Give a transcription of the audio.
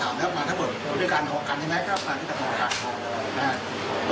ตามแล้วมาทับหมดเรื่องการหมดกันเอาไงก็ตามแล้วค่ะ